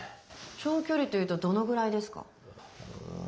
長距離というとどのぐらいですか？